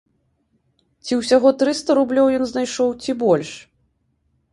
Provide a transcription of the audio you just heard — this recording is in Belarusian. Ці ўсяго трыста рублёў ён знайшоў, ці больш?